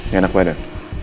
gak enak badan